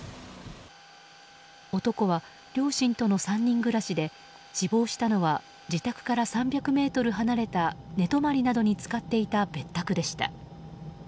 男は両親との３人暮らしで死亡したのは自宅から３００ｍ離れた寝泊まりなどに使っていた別宅でした。